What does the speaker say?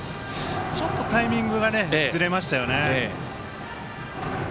ちょっとタイミングがずれましたよね。